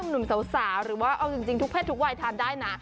หนุ่มสาวหรือว่าเอาจริงทุกเพศทุกวัยทานได้นะ